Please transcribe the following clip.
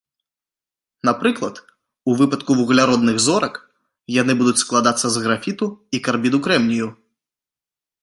Напрыклад, у выпадку вугляродных зорак, яны будуць складацца з графіту і карбіду крэмнію.